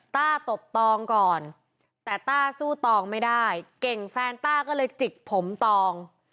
ต้าตบตองก่อนแต่ต้าสู้ตองไม่ได้เก่งแฟนต้าก็เลยจิกผมตอง